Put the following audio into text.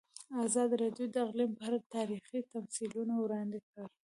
ازادي راډیو د اقلیم په اړه تاریخي تمثیلونه وړاندې کړي.